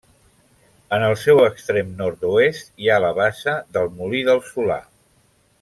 En el seu extrem nord-oest hi ha la bassa del Molí del Solà.